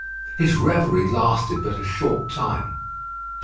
His reverie lasted but a short time.